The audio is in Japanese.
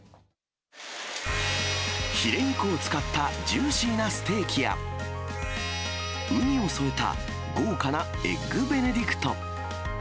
ヒレ肉を使ったジューシーなステーキや、ウニを添えた豪華なエッグベネディクト。